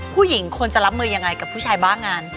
ผู้หญิงควรจะรับมือยังไงกับผู้ชายบ้างงาน